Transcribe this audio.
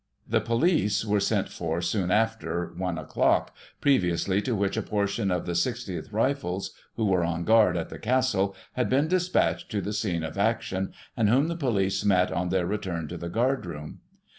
The police were sent for soon after i o'clock, pre viously to which a portion of the 60th Rifles, who were on guard at the Castle, had been despatched to the scene of action, and whom the police met on their return to the guard room.